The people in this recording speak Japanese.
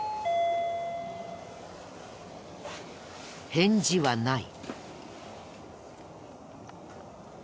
返事はない。